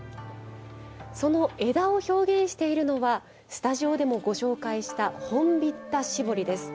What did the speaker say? その枝を表現しているのがスタジオでもご紹介した本疋田絞りです。